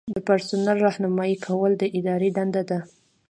د پرسونل رہنمایي کول د ادارې دنده ده.